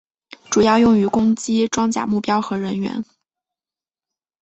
主要用于攻击装甲目标和人员。